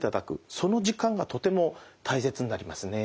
その時間がとても大切になりますね。